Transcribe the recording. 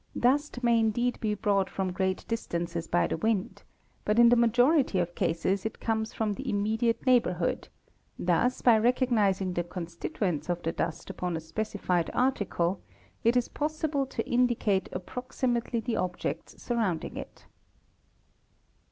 Dust may indeed be brought aE from great distances by the wind, but in the majority of cases it comes from the immediate neighbourhood; thus by recognising the constituents of the dust upon a specified article it is possible to indicate approxi mately the objects surrounding it.